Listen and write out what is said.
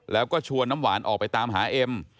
แล้วก็ชวนน้ำหวานออกไปตามหาเอ็ม